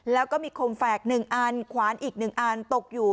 แล้วก็มีคมแฝก๑อันขวานอีก๑อันตกอยู่